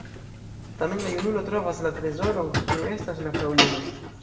Tamen la junulo trovas la trezoron, kiu estas la fraŭlino.